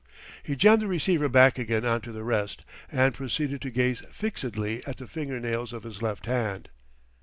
He jammed the receiver back again on to the rest, and proceeded to gaze fixedly at the finger nails of his left hand.